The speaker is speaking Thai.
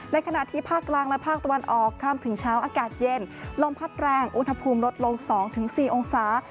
ขณะที่ภาคกลางและภาคตะวันออกข้ามถึงเช้าอากาศเย็นลมพัดแรงอุณหภูมิลดลง๒๔องศา